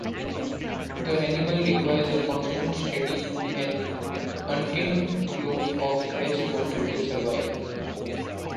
The animal requires a constant, steady, and untainted flow of fresh water to survive.